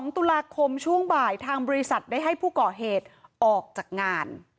๒ตุลาคมช่วงบ่ายทางบริษัทได้ให้ผู้ก่อเหตุออกจากงาน